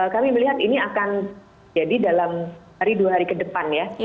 kami melihat ini akan jadi dalam hari dua hari ke depan ya